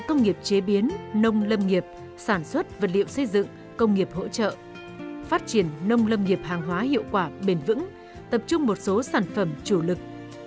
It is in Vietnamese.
công nghiệp chế biến nông lâm nghiệp sản xuất vật liệu xây dựng công nghiệp hỗ trợ phát triển nông lâm nghiệp hàng hóa hiệu quả bền vững tập trung một số sản phẩm chủ lực